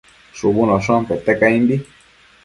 shubunoshon pete caimbi